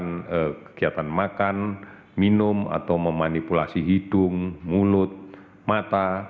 kemudian kegiatan makan minum atau memanipulasi hidung mulut mata